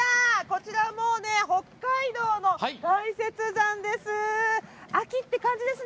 こちらはもう北海道の大雪山です。